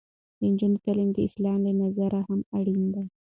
د نجونو تعلیم د اسلام له نظره هم اړین دی.